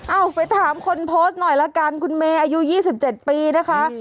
เอาไปถามคนโพสต์หน่อยละกันคุณเมย์อายุ๒๗ปีนะคะ